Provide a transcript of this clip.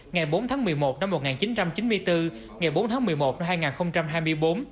ngày bốn tháng một mươi một năm một nghìn chín trăm chín mươi bốn ngày bốn tháng một mươi một năm hai nghìn hai mươi bốn